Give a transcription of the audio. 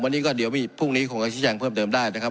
วันนี้ก็เดี๋ยวพรุ่งนี้คงจะชี้แจงเพิ่มเติมได้นะครับ